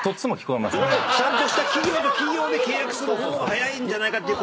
ちゃんとした企業と企業で契約する方が早いんじゃないか。